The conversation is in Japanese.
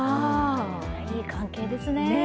いい関係ですね。